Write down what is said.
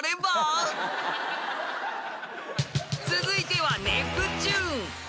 ［続いてはネプチューン］